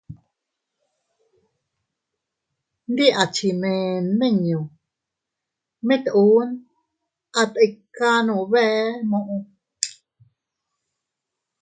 Ndi a chi mee nmiññu, mit uun a tikano bee muʼu.